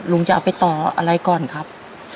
ลุงจะเอาไปต่ออะไรก่อนครับ